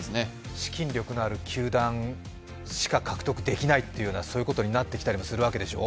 資金力のある球団しか獲得できないということにもなってくるわけでしょう。